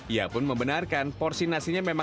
ia pun membenarkan porsi nasinya memang